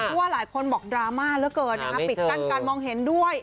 ทั่วหลายคนบอกดราม่าเหลือเกินนะครับปิดตั้งการมองเห็นด้วย